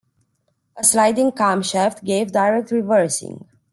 A sliding camshaft gave direct reversing.